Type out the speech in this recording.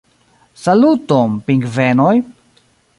Saluton, pingvenoj!!